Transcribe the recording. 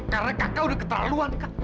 karena kakak udah keterlaluan kak